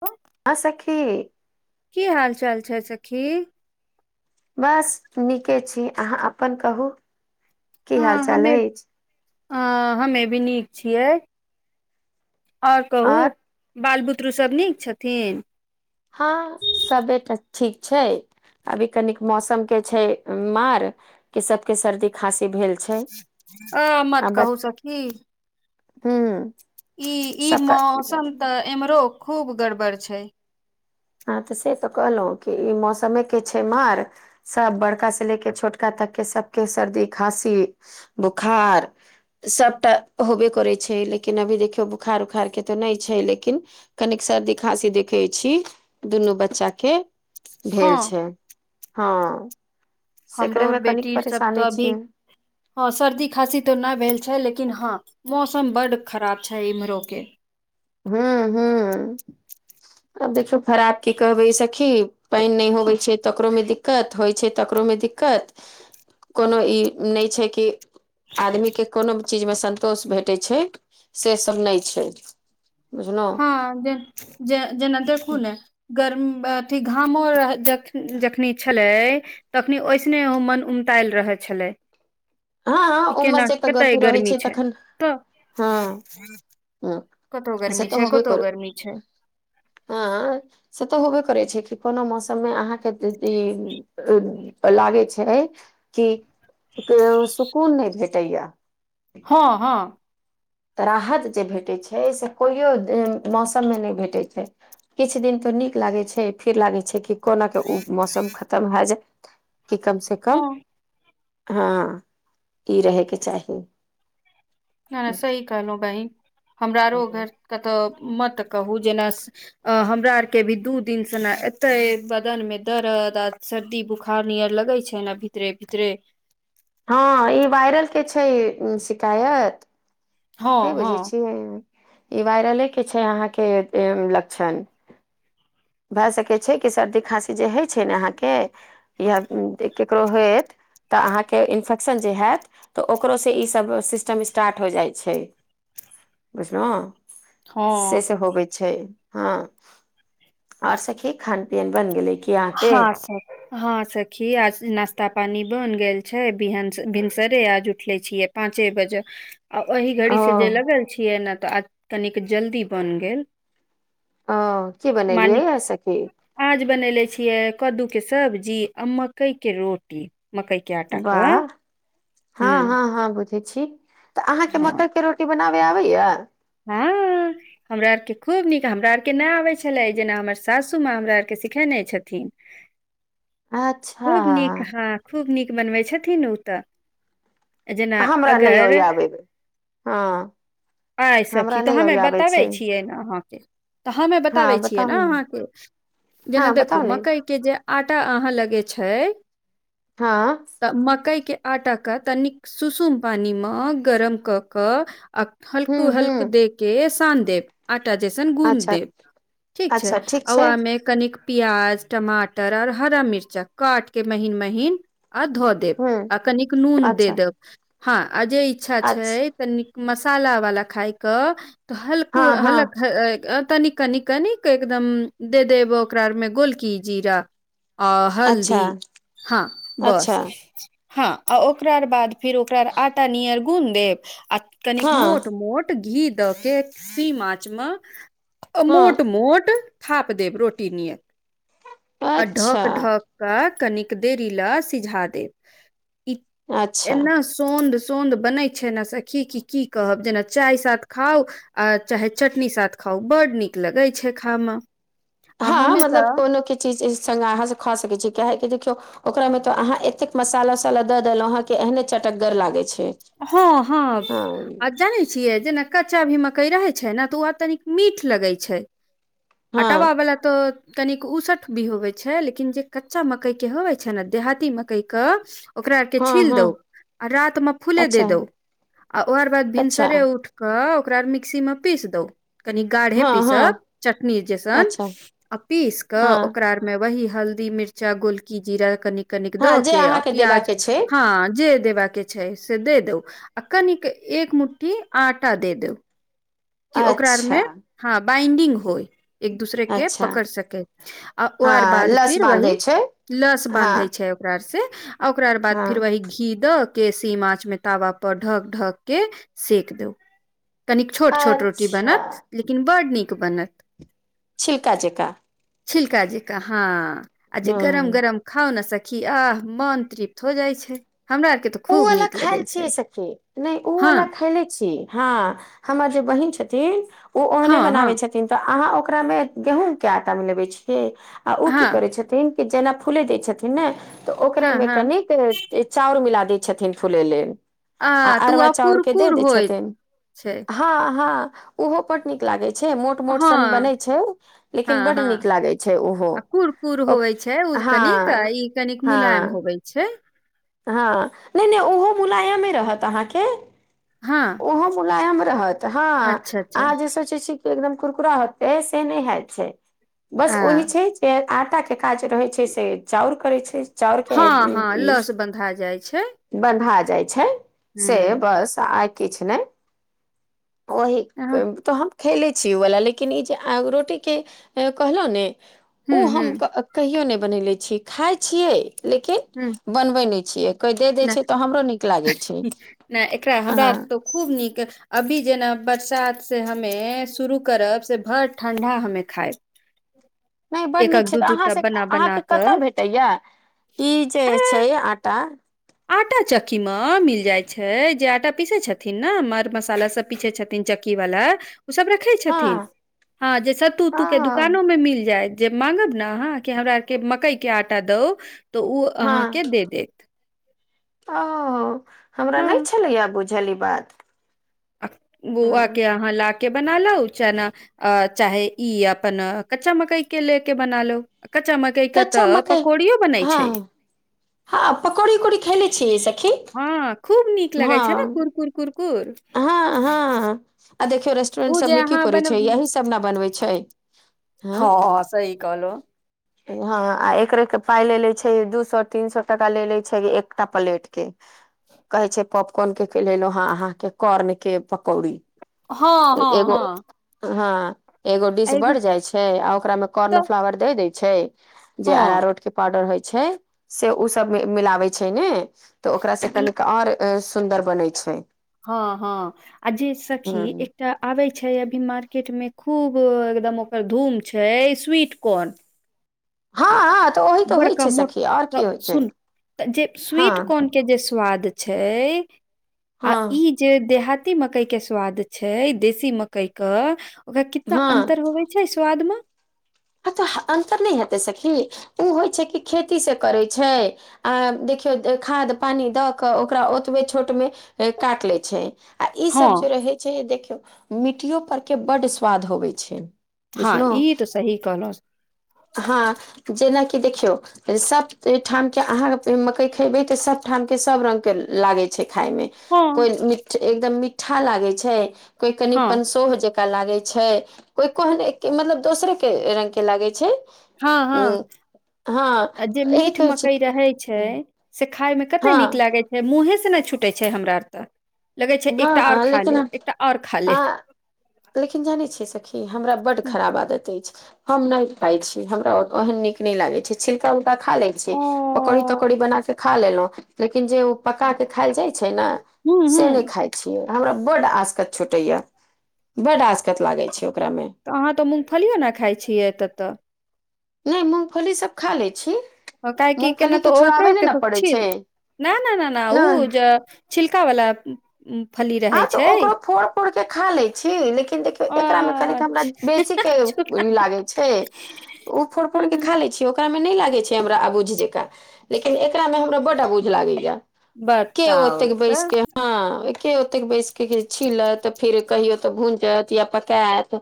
ह [unintelligible] हाँ सखी की हाल चाल छैय सखी बस नीके छी आहाँ अपन कहु की हँ हाल चाल हमे अछि। अ हमे भी नीक छियैय आओर कहु। बाल बुदरु सब नीक छथिन। हँ सबे एतय ठीक छैय अभी कनिक मौसम के छैय मार कि सब के सर्दी खासी भेल छैय अ मत आ ब कहू हुँ इ इ मौसम तऽ एम्हरो खुब गड़बड़ छैय। हँ तऽ से तऽ कहलौं कि इ मौसमेके छैय मार सब बड़कास लेके छोटका तकके सबके सर्दी खासी बोखार सबटा होबे करैय छैय लेकिन अभी देखियौ बोखार उखारके तऽ नै छैय लेकिन कनिक सर्दी खासी देखैय छी। दुनु बच्चा के हँ भेल छैय हँ। हमरो सेकरे आर मे कनिक बेटी सब तऽ परेशानी अभी छियै ह सर्दी खासी त नै भेल छैय लेकिन हँ मौसम बड्ड खराब छैय इमहरोके हूँ हूँ [inaudible] अब देखियौ खराब की कहबैय यै सखी पाइन नै होय छैय तकरोमे दिक्कत होइ छैय तकरोमे दिक्कत दिक्कत कोनो ई नै छैय कि आदमी के कोनो चीज में संन्तोष भेटेय छैय से सब नै छैय हाँ जे जे जेना देखु नै गरम अथी घामो रहैय जखनी छलैय तखनी ओएसने ओ मन उमतायल रहैय छलैय हँ इ केना उमस जे कतय रहै गर्मी छै छैय तखन तऽ हँ ह कतो गर्मी छैय कतौ गरमी छैय आएय से तऽ होबेय करैय छैय कि कोनो मौसम में अहाके [unintelligible] लागेय छैय कि सुकुन नै भेटैया हँ हँ तऽ राहत जे भेटैत छै से कोइओ मौसम में नय भेटै छै किछ दिन तो नीक लागे छै फिर लागे छै कि कोना के ओ मौसम खतम हाय जाय कि कम से कम हँ हँ ई रहे के चाही हा सही कहलो बहिन हमरा आरो घर कऽ तऽ मत कहु जेना अ हमरा आर के भी दु दिन से न एतेय बदन में दरद आ सर्दी बोखार नियर लगैय छैय नऽ भीतरे भीतरे हँ इ वायरल के छैय शिकायत हँ नै हँ बुझैय छियै इ वायरले के छैय अहाँके लक्षण भऽ सकैय छैय कि सर्दी खासी जे होइ छैय नय अहाँके या ककरो होयत तऽ अहाँके इन्फेक्शन जे हैत तऽ ओकरो सँ ईसभ सिस्टम स्टार्ट हो जाइ छै बुझलो से हँ से होबै छै हँ ओर सखी खान पियन बन गेले कि हँ सखि हँ सखी आज नश्ता पानी बन गेल छै बिहान भिनसरे आज उठले छीय पाँचे बजे आ ओहि ओ घड़ी से जे लगल छियै नऽ तऽ आ कनिक जल्दी बन गेल अं की बनेलियै मालिक आ सबखी आज बनेले छियै कद्दू के सब्जी आ मकई के रोटी मकई कए टाकऽ वाह हँ हँ हँ बुझै छी तऽ अहाँके हँ मकइके रोटी बनाबे आबैया हँ हमरा आर के खूब नीक हमरा आरके ना आबै छलै जेना हमर सासू माँ हमरा आरके सिखेने छथिन अच्छा खूब नीक हँ खूब नीक बनबै छथिन ओ तऽ जेना हमरा नय ओ अगर आबेब हँ आए सखी हमरा तऽ नहि हमे ओरि आबै बताबै छै छियै ने अहाँके तऽ हमे बताबै हँ छियै बताउ ने अहाँके जेना हँ देखू बताउ ने मकई के जे आटा अहाँ लगे छय हँ तऽ मकई के आटा के तनिक सुसुम पानी मे गरम क कऽ आ हूँ हूँ कूहल्क दे के सान देब आटा जैसन गूद अच्छा देब ठीक छै अच्छा ठीक आ छै ओआमे कनिक प्याज टमाटर और हरा मिर्चा काट के महीन महीन आ धो दे हूँ कनिक नून दे अच्छा देब हँ जे इच्छा छै अच्छा त मसाला वाला खाायके तऽ हलको हँ हँ हलक तनी कनि कनिक एकदम दे देब ओकरारमे गोलकी जीरा आ अच्छा हल्दी हँ अच्छा बस हँ आ ओकरा बाद फिर ओकरा आटा नीियर गुन देब आ कनिक मोट हँ मोट घी दऽ के घीम आच मे हँ मोट मोट थाप देब रोटी नियत आ अच्छा ढक ढक कऽ कनिक दे रीला सिझा दे ई अच्छा एना सौद सोंध बनै छै नऽ सखी की कहब जेना चाय साथ खाउ आ चाहे चटनी साथ खाउ बड नीक लगैत छै खामे हँ मतलब कोनो केी चीज संग अहाँ से खा सकै छी काहेि देखियौ ओकरा में तो अहाँ एतेक मसाला वसाला द देलहुं हें एहने चटक गर लागे छै हँ हँ जानै छियै जेना कच्चा भी मक्कई रहै छै ने तऽ ओ तनिक मीठ लगै छै आ टाबा हँ बला तऽ कनिक उसठ भी होवै छै लेकिन जे कच्चा मक्कईके होवै छै नऽ देहाती मकईके ओकरा आर के हँ छील हँ दउ। आ रात में फूले दे अच्छा दो आ आओर बाद अच्छा भिनसरे उठ कऽ ओकरा मिक्सी मे पीस दउ। कनि गाढ़े हँ हँ पीसब चटनी जैसन, अच्छा आ पीस हँ कऽ ओकरा में वही हल्ी मिर्चा गोलकी जीरा कनीिक कनिक द हँ जे के आ अहाँके प्याज देबाक छै हँ जे देबा के छै से दे दौ आ कनिक एक मुठ्ठी आटा दे दौ कि ओकरा आर मे अच्छा हँ बाइंडिंग होय एक दूसरे के अच्छा पकड़ सकै आ हँ ओर बाद लस फिर वही बान्धै छै लस हँ बानधहै छै ओ से आ ओकररा बाद हँ फिर वहि घी द के सीम आँच मे तावा पर ढक ढक के सेक दू। कनिक छोट- छोट रोटी अच्छा बनत लेकिन बड्ड नीक बनत। छिलका जका छिलका जका हँ आ जे गरम हँ - गरम खाउ नऽ सखी आह! मन तृप्त हो जाय छै। हमरा आर के तऽ ओ खूब वाला नीक खायल लगै छै छियै सखी। नहि ओ हँ वा खायले छी हँ हमर जे बहिन छथिन ओ ओहने हँ हँ बनाबै छथिन। थिन तऽ अहाँ ओकरा गेहूँ के आटा मिलबे छिए आ उ कि हँ करै छथिन जेना फूले दय छथिन ने तऽ ओकरा हँ मे हँ कनिक चाउर मिला दे छथिन फुले लेल। आ तू अरवा आब चाउर के दे कुरकुर दय होइत छथिन छै आ हँ - हँ ओहो बड नीक लागे छै मो मोट हँ सन बनै छै लेकिन हँ बड्ड हँ नीक लागै छै ओहो आ कुर कुर होवे छै ओ हँ कनिक ई कनिक मुलायम हँ होबे छै। हँ, नहि - नहि ओहो मुलायमे रहत अहाँके। हँ ओहो मुलायम रहत। हाँ अच्छा अच्छा आहाँ जे सोचै छी जे एकदम कुरकुरा होते से नहि हैत छै। बस आ ओहि छै जे आटा जे काज रहै छै से चाउर करै छै। चाउर के हँ हँ ई लस बन्धा जाइ छै बन्धा जाइ छै हूँ से बस आइ किछु नहि। ओहि के हँ त हम खैले छी उ वला लेकिन ई जे आग रोटी के कहलहुँ ने हूँ ओ हूँ हम क कहियो नहि बनेले छी खाइ छियै लेकिन हूँ बनबै नय छियै कोइ दे दै नहि छै त हमरो नीक लागै छै नहि एकरा अह हमरा तो खूब नीक अभी जेना बरसात से हमे शुरू करब से भर ठण्ढा हमे खायब। [inaudible] नय बड एकक नीक छै दू त अहाँ दूटा से बना अहाँ बना के कतय भेटैया ई जे कऽ छै आटा आटा चक्की मे मिल जाइत छै जे आटा पीसैत छथिन ने मर मसाला सब पीछे छथिन चक्की वाला ओ सब र खय छथिन हँ हँ जे सत्तू आ उतू के दुकानो मे मिल जाय जे माँंगब ने अहाँ के हेबे के मकई के आटा दउ त ओ हँ अहाँके दे देत ओ हमरा हँ नहि छलैया बुझल ई बात। आ बौआ हँ के अहाँ ला के बना लउ चना आ चाहे ई अपन कच्चा मकई के ले के बनालो कच्चा म के कइ त कच्चा मकइ पकौड़ियो बनै हँ छै। हँ पकौड़ी उकौड़ी खैले छियै सखी हँ खूब नीक लगै छै न हँ कुर कुर कुर कुर हँ हँ आ देखियौ रेस्टोरेंट ओ सब जे मे की अहाँ करै बन छै यही सब न बनबै छै हँ सही कहलों हँ आ एकरो के पाय लेले छै दू सए तीन सए टाका लेले छै एकटा प्लेट के कहे छै पॉपकॉर्न के खिलेलों हँ अहाँके कॉर्न के पकौड़ी। हँ हँ एगो हँ हँ एगो डिश बढ़ जाइ छै आ ओकरा मे कॉर्न तऽ फ्लावर दे दैय छै। जे हँ अरारोट के पाउडर होइ छै से ओ सब मिलाबै छै ने त ओकरा से ई कनिक आओर सुन्दर बनै छै। हँ हँ आ जे सखी ह एकटा आबै छै अभी मार्केट मे खूब एकदम ओकर धूम छै स्वीट कॉर्न हँ हँ तऽ ओही तऽ होइ बड़का छै सखी आओर मोटका की होइ छै सुन। त जे हँ स्वीट कॉर्न के जे स्वाद छै आ इ हँ जे देहाती मकई के स्वाद छै देशी मकई के ओकरा कितना हँ अंतर होवे छै स्वादमे आ तो अंतर नहि हेते सखी ओ होइ छै कि खेती से करे छै। आ देखियौ खाद पानि द क ओकरा ओतबे छोटमे काटि लैत छै। इ सभ हँ जे रहे छै देखियौ मिट्टियो पर के बड्ड स्वाद होबे छै। हँ ई बुझलहुँ त सही कहलुस हँ जेनाकि देखियौ सब ठाम के अहाँ मकई खेबै त सब ठाम के सब रंग के लागे छै खाइ मे हँ कोइ मिठ एकदम मिठा लागे छै कोइ कनि हँ पंसोह जैक ताई लागे छै कोइ कोने मतलब दोसरे के रंग के लागे छै हँ हँ हँ आ जे इह मीट कहै छी मकई कि रहे छै। से खाइ मे कतेक नीक हँ लागैत छै मुँहे सँ नहि छूटैत छै हमरा एतय लगै छै हँ एकटा आओर हँ खा लेकिन लेब हम एकटा आओर खा आ लेब लेकिन जानै छियै सखी हमरा बड्ड खराब आदत अछि हम नहि खाइ छी हमरा एहन नीक नहि लागै छै छिलका उलका खा ले छी ओ पकौडी तकौड़ी बना के खा लेलों लेकिन जे उ पका के खायल जाय छै न हूँ से हूँ नहि खाइ छिय हमरा बड्ड आसकत छुटैया बड्ड आसकत लागै छै ओकरामे तऽ अहाँ तऽ मूँगफलियो नहि खाइ छियै तब त नहि मूगफली सब खा लेय छी। काहे की केना तऽ मूँगफलीके ओक छोड़ाबे नहि ने त पड़ै छिल छै न न उ नहि ज छिलका वला फली रह आ तो ओकरो फोड़ फोड़ के खा ले छी लेकिन देखियौ एकरा मे कनि हमरा बेसी के अच्छा ई लागे छै ओ फोड़ फोड़ के खा ले छिय ओ एकरा मे नहि लागे छै हमरा आबुझ जकाँ लेकिन एकरा मे हमरा बड आबुझ लागे या। के बताउ ओतेक तऽ बैसके हँ के ओतेक बैसके छीलत फेर कहियो तऽ भुजत या पकात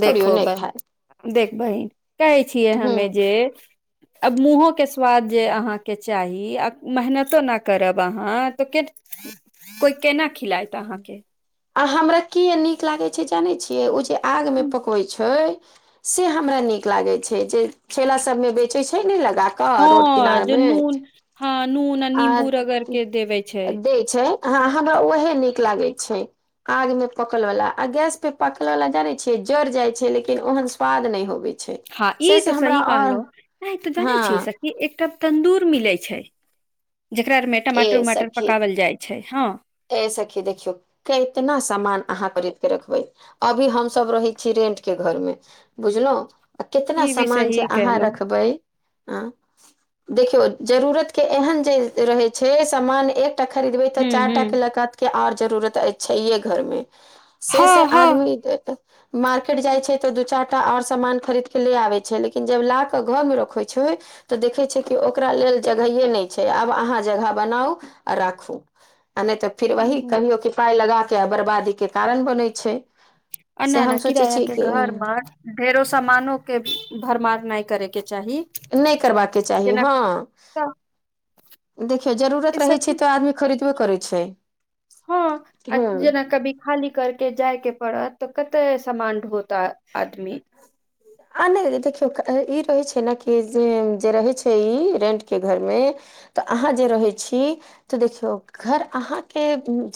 देखो बहिन देख बहिन कहै छियै हूँ हमे जे अब मुँहो के स्वाद जे अहाँके छै। चाही आ मेहनतो नहि करब अहाँ तऽ कोइ केना खिलात तऽ अहाँके आ हमरा किए नीक लागै छै जानै छियै ओ जे आगमे पकबै छै। से हमरा नीक लागे छै जे ठेला सबमे बेचे छै ने लगा कऽ रोड हाँ जे किनारमे नून हाँ नून आ नींबू रगर के देवे छै दै छै हाँ हमरा उहे नीक लागै छै। आग में पकल वाला आ गैस पे पकले वा जाने छे जड़ जाय छै लेकिन ओहन स्वाद ने होवे हाँ ई तो सही कहलों नहि तऽ जानै हँ छियै सखी एकटा तंदूर मिले छै जेकरा मे। टमाटर उमाटर पकओल जाइ छै हाँ ऐ सखी देखियौ कितना सामान अहाँ खरीद के रखबै। अभी हम सब रहय छी रेंटके घरमे बुझलहूँ आ कितना ई भी सामान छैय सही अहाँ कहलो रखबैय। हँ देखियौ जरूरत के एहन जे रहैय छैय सामान एक त खरीदबै तऽ हूँ चारि टा के हूँ लगात के आओर जरूरत छैहे घरमे से से हँ आदमी हँ ए-ए मार्केट जाइत छै तऽ दू चारि टा आओर सामान खरीदके ले आबै छै लेकिन जब ल कऽ घरमे रखै छै तऽ देखै छै कि ओकरा लेल जगहे नहि छै आब अहाँ जगह बनाउ आ राखु आ नै तऽ फिर वही कहियो कि पाइ लगा कऽ किया बर्बादी के कारण बनैय छैय आ ना ना किराया के घरमे ढेरो सामानो के भरमार नै करेय नै करबाक चाही हाँ तऽ देखियौ ए जरूरत रहैय सखी छैय तऽ आदमी खरीदबे करैय छैय। हाँ आ जेना कभी खाली करके जाय के पड़त तऽ कते समान ढोउ त आदमी आ नै देखियौ इ रहैय छैय न कि जे जे रहैत छैय इ रेन्टके घरमे तऽ अहा जे रहैय छी तऽ देखियौ घर अहाँके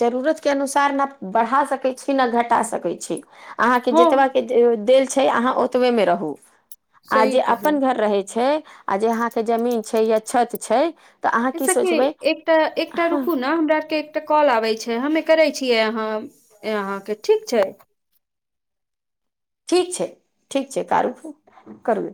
जरूरतके अनुसार ने बढ़ा सकैय छी ने घटा सकैय छी। अहाँके जतबा हँ के देल छैय अहाँ ओतबेमे रहु। आ सही जे अपन कहलहु घर रहैय छैय आ जे अहाँके जमीन छैय या छत छैय। एहिस कि एकटा एकटा रुकु न हमरा के कॉल आबैय छैय हमे करैय छियै यहा अहा के ठीक छैय। ठीक छैय ठीक छैय कारु करु